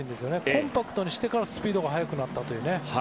コンパクトにしてからスピードが速くなったという。